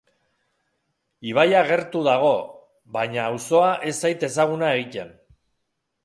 Ibaia gertu dago baina auzoa ez zait ezaguna egiten.